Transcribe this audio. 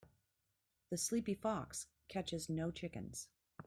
The sleepy fox catches no chickens.